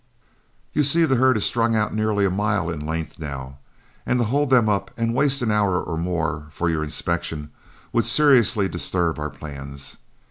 You see the herd is strung out nearly a mile in length now, and to hold them up and waste an hour or more for your inspection would seriously disturb our plans.